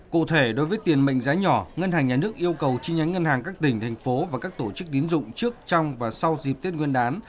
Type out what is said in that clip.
cụ thể đối với tiền mệnh giá nhỏ ngân hàng nhà nước yêu cầu chi nhánh ngân hàng các tỉnh thành phố và các tổ chức tín dụng trước trong và sau dịp tết nguyên đán